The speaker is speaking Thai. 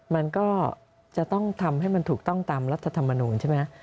มันก็จะต้องทำให้มันถูกต้องตามรัฐธรรมนูลใช่ไหม